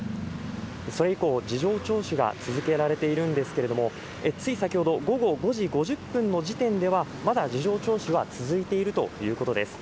それ以降、事情聴取が続けられているんですけれども、つい先ほど、午後５時５０分の時点では、まだ事情聴取は続いているということです。